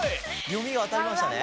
よみがあたりましたね。